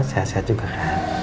sehat juga kan